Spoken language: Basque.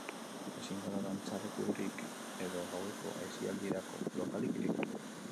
Ezingo da dantzalekurik edo gaueko aisialdirako lokalik ireki.